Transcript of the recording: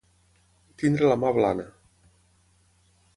Tenir la mà blana.